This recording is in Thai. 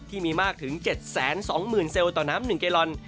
ที่มีมากถึง๗๒๐๐๐เซลล์ต่อน้ำ๑แกลลอน